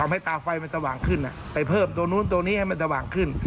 ให้ตาไฟมันสว่างขึ้นไปเพิ่มตัวนู้นตัวนี้ให้มันสว่างขึ้น